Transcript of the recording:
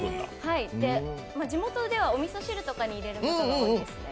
地元ではおみそ汁とかに入れることが多いですね。